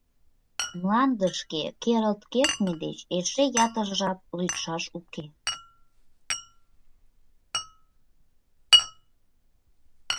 Мландышке керылт кертме деч эше ятыр жап лӱдшаш уке.